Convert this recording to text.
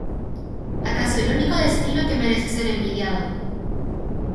¡ acaso el único destino que merece ser envidiado!